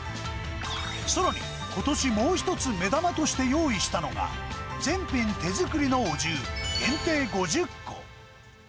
さらに、ことしもう一つ目玉として用意したのが、全品手作りのお重、限定５０個。